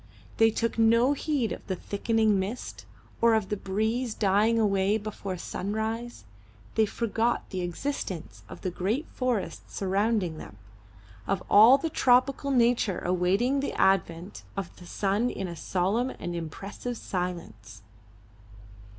They took no heed of thickening mist, or of the breeze dying away before sunrise; they forgot the existence of the great forests surrounding them, of all the tropical nature awaiting the advent of the sun in a solemn and impressive silence.